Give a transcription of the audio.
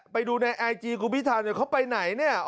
ไปดูในไอจีคุณพิธาหน่อยเขาไปไหนเนี่ย